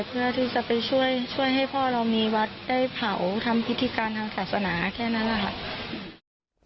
เพื่อที่จะไปช่วยให้พ่อเรามีวัดได้เผาทำพิธีการทางศาสนาแค่นั้นแหละค่ะ